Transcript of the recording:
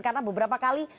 karena beberapa kali